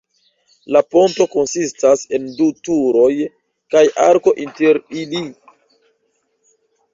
La ponto konsistas en du turoj kaj arko inter ili.